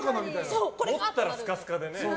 持ったらスカスカでね。